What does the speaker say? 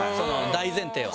大前提は。